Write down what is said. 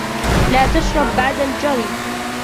لَا تَشْرَبْ بَعْدَ الْجَرْي.